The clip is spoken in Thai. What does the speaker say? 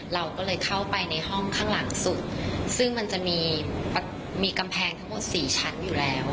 เราก็เลยเข้าไปในห้องข้างหลังสุดซึ่งมันจะมีกำแพงทั้งหมดสี่ชั้นอยู่แล้ว